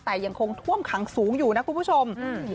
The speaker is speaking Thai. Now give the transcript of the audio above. แต่ยังคงท่วมขังสูงอยู่นะคุณผู้ชม